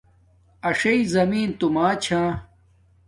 اݽݵ زمین توما چھا